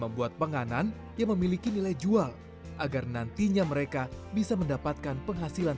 membuat penganan yang memiliki nilai jual agar nantinya mereka bisa mendapatkan penghasilan